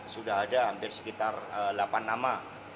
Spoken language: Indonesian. sudah ada hampir sekitar delapan nama